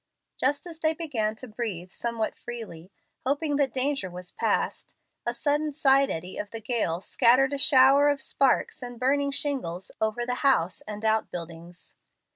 Just as they began to breathe somewhat freely, hoping that danger was past, a sudden side eddy of the gale scattered a shower of sparks and burning shingles over the house and out buildings.